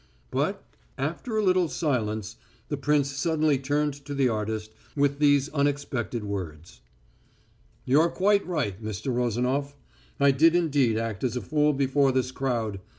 But, after a little silence, the prince suddenly turned to the artist with these unexpected words: "You're quite right, Mr. Rozanof. I did indeed act as a fool before this crowd.